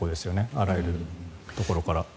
あらゆるところから。